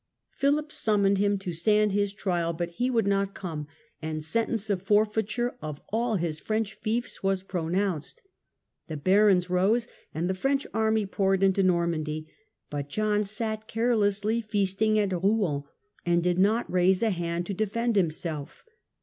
Philip summoned him to stand his trial, but he would not come, and sentence of for feiture of all his French fiefs was pronounced. The barons rose and the French army poured into Normandy, but John sat carelessly feasting at Rouen, and did not raise a hand to defend himself.